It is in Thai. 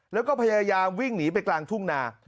แล้วก็พยายามวิ่งหนีไปกลางทุ่งนา